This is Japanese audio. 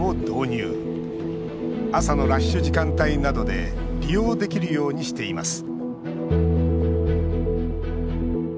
朝のラッシュ時間帯などで利用できるようにしています